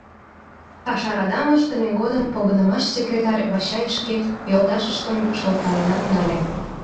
Паша радам ыштыме годым погынымаш секретарь Вачай шке йолташыштым шылталенат нале: